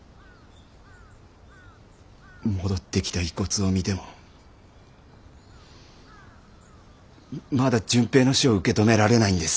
戻ってきた遺骨を見てもまだ純平の死を受け止められないんです。